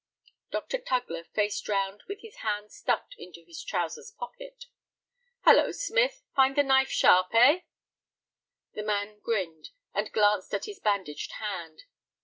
Dr. Tugler faced round with his hands stuffed into his trousers pockets. "Hallo, Smith, find the knife sharp, eh?" The man grinned, and glanced at his bandaged hand.